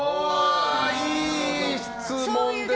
いい質問ですね！